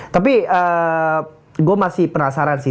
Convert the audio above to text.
tapi gue masih penasaran sih